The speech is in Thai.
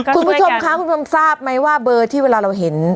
คุณผู้ชมคะคุณผู้ชมทราบไหมว่าเบอร์ที่เวลาเราเห็น